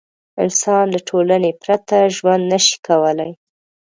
انسان له ټولنې پرته ژوند نه شي کولی.